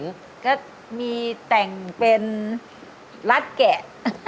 แปลว่าก็จะมีแต่งเป็นลัดแกะ